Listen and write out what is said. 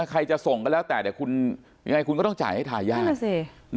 ใครจะส่งก็แล้วแต่แต่คุณยังไงคุณก็ต้องจ่ายให้ทายาท